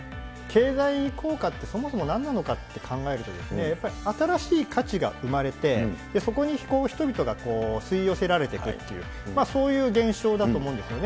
経済効果って、そもそもなんなのかって考えると、やっぱり新しい価値が生まれて、そこに人々が吸い寄せられていくっていう、そういう現象だと思うんですよね。